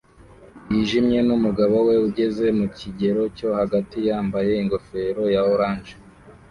yijimye n'umugabo we ugeze mu kigero cyo hagati yambaye ingofero ya orange